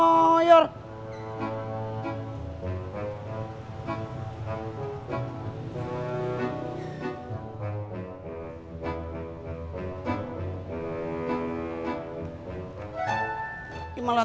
malah tidur lagi di motor